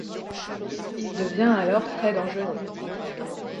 Il devient alors très dangereux.